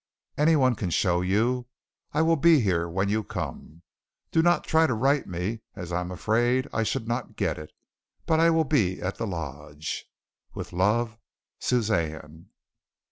Anyone can show you. I will be here when you come. Do not try to write to me as I am afraid I should not get it. But I will be at the Lodge. "With love, "Suzanne."